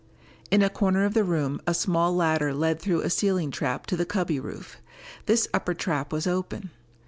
In a corner of the room a small ladder led through a ceiling trap to the cubby roof. This upper trap was open.